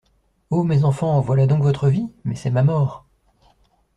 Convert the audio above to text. O mes enfants ! voilà donc votre vie ? Mais c'est ma mort.